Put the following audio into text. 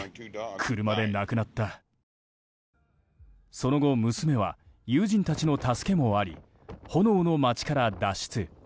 その後、娘は友人たちの助けもあり炎の街から脱出。